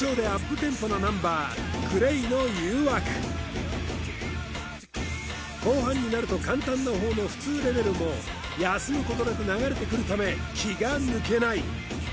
テンポなナンバーＧＬＡＹの「誘惑」後半になると簡単なほうの普通レベルも休むことなく流れてくるため気が抜けない